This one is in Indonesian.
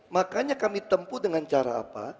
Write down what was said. makanya kami tempuh dengan cara apa